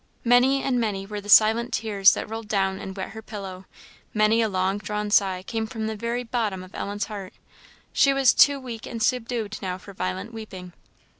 Many and many were the silent tears that rolled down and wet her pillow; many a long drawn sigh came from the very bottom of Ellen's heart: she was too weak and subdued now for violent weeping.